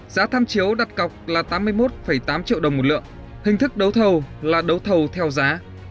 giá tham chiếu đặt cọc là tám mươi một tám triệu đồng một lượng hình thức đấu thầu là đấu thầu theo giá